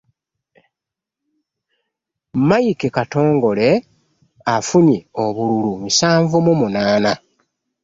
Mike Katongole yafunye obululu nsanvu mu munaana